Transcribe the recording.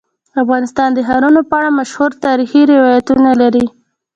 افغانستان د ښارونه په اړه مشهور تاریخی روایتونه لري.